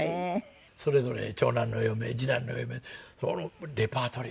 それぞれ長男のお嫁次男のお嫁レパートリーが。